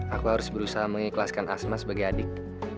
aku harus berusaha mengikhlaskan asma sebagai adik